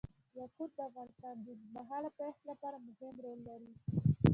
یاقوت د افغانستان د اوږدمهاله پایښت لپاره مهم رول لري.